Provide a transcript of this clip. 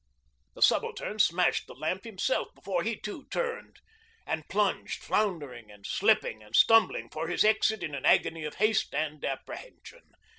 The Subaltern smashed the lamp himself before he too turned and plunged, floundering and slipping and stumbling, for his exit in an agony of haste and apprehension.